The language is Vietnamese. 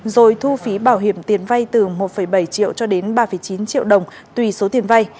rồi thu phí bảo hiểm tiền vay từ một bảy triệu cho đến ba chín triệu đồng tùy số tiền vay